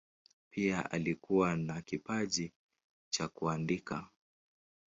Pia alikuwa na kipaji cha kuandika.